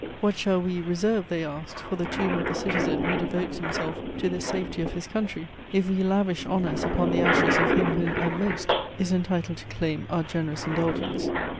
What shall we reserve, they asked, for the tomb of the citizen who devotes himself to the safety of his country, if we lavish honours upon the ashes of him who, at most, is entitled to claim our generous indulgence?